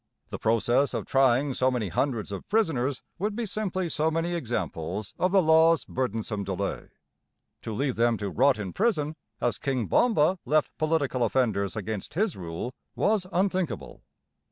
The process of trying so many hundreds of prisoners would be simply so many examples of the law's burdensome delay. To leave them to rot in prison, as King Bomba left political offenders against his rule, was unthinkable.